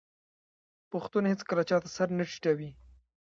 پښتون هیڅکله چا ته سر نه ټیټوي.